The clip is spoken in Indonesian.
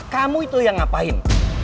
kamu itu yang ngapain